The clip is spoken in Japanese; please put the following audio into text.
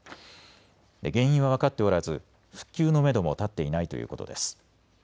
原因は分かっておらず復旧のめども立っていないということです。